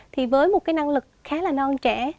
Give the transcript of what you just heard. thì với một cái năng lực khá là non trẻ